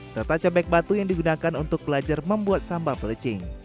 serta cobek batu yang digunakan untuk belajar membuat sambal pelecing